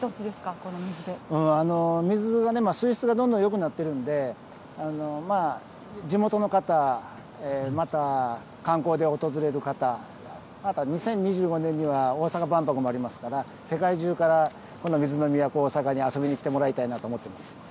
この水がね、水質がどんどんよくなってるんで、地元の方、また観光で訪れる方、あとは２０２５年には大阪万博もありますから、世界中からこの水の都、大阪に遊びに来てもらいたいなと思っています。